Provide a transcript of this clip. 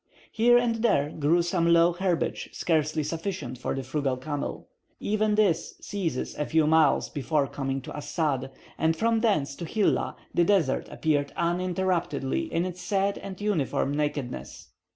Here and there grew some low herbage scarcely sufficient for the frugal camel; even this ceases a few miles before coming to Assad, and from thence to Hilla the desert appeared uninterruptedly in its sad and uniform nakedness.